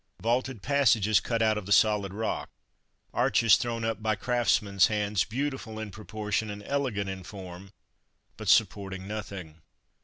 Vaulted passages cut out of the solid rock; arches thrown up by craftmen's hands, beautiful in proportion and elegant in form, but supporting nothing.